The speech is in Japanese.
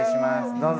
どうぞ。